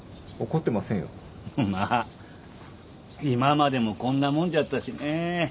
まっ今までもこんなもんじゃったしね